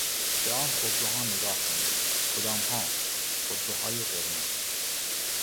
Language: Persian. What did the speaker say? به آن خودروها نگاه کنید. کدامها؟ خودروهای قرمز.